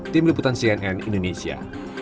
tim liputan cnn indonesia